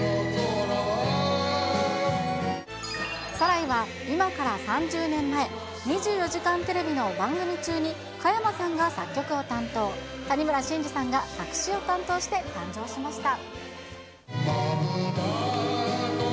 サライは今から３０年前、２４時間テレビの番組中に、加山さんが作曲を担当、谷村新司さんが作詞を担当して誕生しました。